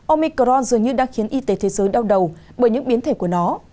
omicron dường như đã khiến y tế thế giới đau đầu bởi những biến thể của nó